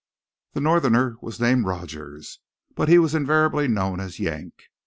The Northerner was named Rogers, but was invariably known as Yank.